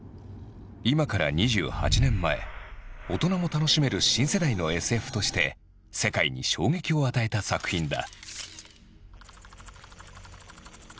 今から２８年前大人も楽しめる新世代のＳＦとして世界に衝撃を与えた作品だ。